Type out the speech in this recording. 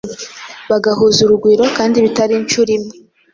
bagahuza urugwiro, kandi bitari inshuro imwe.